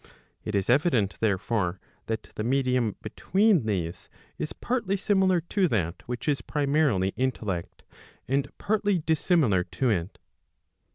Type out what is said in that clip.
It is evident therefore, that the medium between these is partly similar to that which is primarily intellect, and partly dissimilar to it.